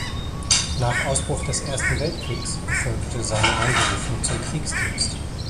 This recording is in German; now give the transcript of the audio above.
Nach Ausbruch des Ersten Weltkrieges erfolgte seine Einberufung zum Kriegsdienst.